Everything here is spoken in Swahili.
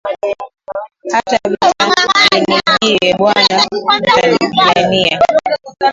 Hata vita inijie, bwana utanipigania.